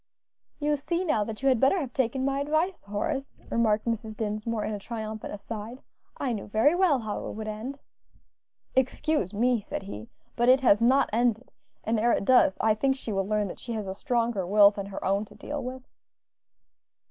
"You see now that you had better have taken my advice, Horace," remarked Mrs. Dinsmore, in a triumphant aside; "I knew very well how it would end." "Excuse me," said he, "but it has not ended; and ere it does, I think she will learn that she has a stronger will than her own to deal with."